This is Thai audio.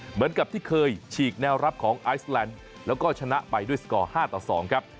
เหมือนกับที่เคยฉีกแนวรับของไอซแลนด์แล้วก็ชนะไปด้วยสกอร์๕ต่อ๒ครับ